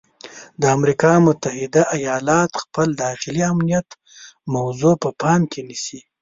د امریکا متحده ایالات خپل داخلي امنیت موضوع په پام کې نیسي.